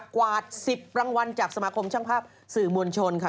กว่า๑๐รางวัลจากสมาคมช่างภาพสื่อมวลชนค่ะ